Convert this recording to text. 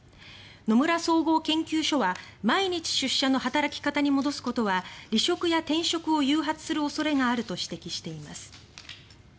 野村総合研究所は毎日出社の働き方に戻すことは離職や転職を誘発する恐れがあると指摘しています。